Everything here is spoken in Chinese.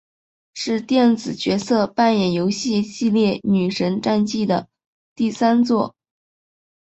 是电子角色扮演游戏系列女神战记的第三作。